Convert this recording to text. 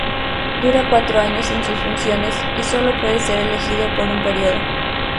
Dura cuatro años en sus funciones, y sólo puede ser reelegido por un período.